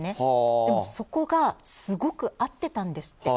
でも、そこがすごく合ってたんですって。